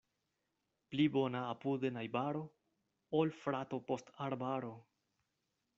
Pli bona apude najbaro, ol frato post arbaro.